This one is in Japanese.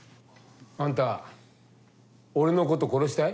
あんた俺のこと殺したい？